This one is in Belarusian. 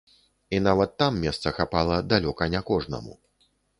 І нават там месца хапала далёка не кожнаму.